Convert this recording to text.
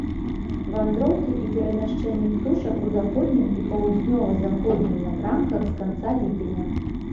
Вандроўкі і перамяшчэнні птушак у заходнім і паўднёва-заходнім напрамках з канца ліпеня.